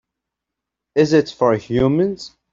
Is it for humans?